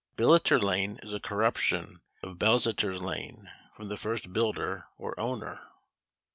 Billiter lane is a corruption of Bellzetter's lane, from the first builder or owner.